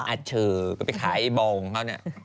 อัดเชอก็ไปขายไอ้บองเขาเนี่ย